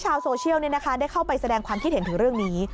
มันได้เข้าไปแสดงความคิดเห็นถึงเรื่องนี้